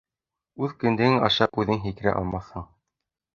Үҙ кендегең аша үҙең һикерә алмаҫһың.